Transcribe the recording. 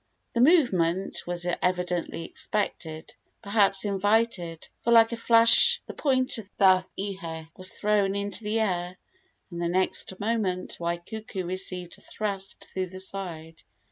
The movement was evidently expected, perhaps invited, for like a flash the point of the ihe was thrown into the air, and the next moment Waikuku received a thrust through the side.